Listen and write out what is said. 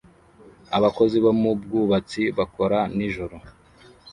Abakozi bo mu bwubatsi bakora nijoro